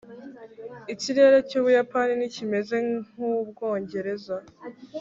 ikirere cy'ubuyapani ntikimeze nk'ubwongereza